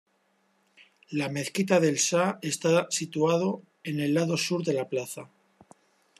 La mezquita del Shah está situado en el lado sur de la plaza.